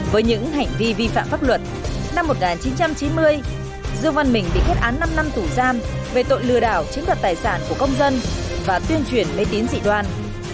với những hành vi vi phạm pháp luật năm một nghìn chín trăm chín mươi dương văn mình bị kết án năm năm tù giam về tội lừa đảo chiếm đoạt tài sản của công dân và tuyên truyền mê tín dị đoan